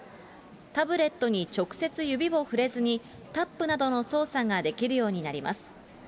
タブレットに直接指を触れずに、タップなどの操作ができるようになります。